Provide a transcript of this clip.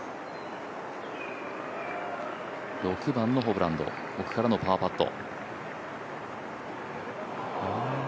６番のホブランド、奥からのパーパット。